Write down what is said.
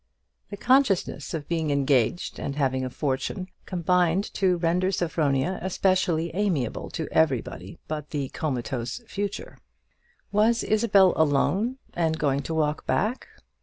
The consciousness of being engaged and having a fortune, combined to render Sophronia especially amiable to everybody but the comatose "future." Was Isabel alone, and going to walk back?